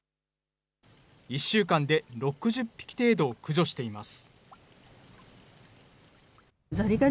１週間で６０匹程度を駆除しています。